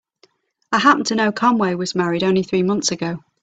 I happen to know Conway was married only three months ago.